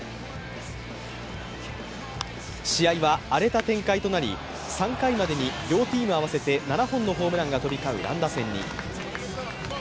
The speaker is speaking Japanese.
試合は荒れた展開となり、３回までに両チーム合わせて７本のホームランが飛び交う乱打戦に。